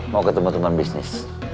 mau ketemu teman bisnis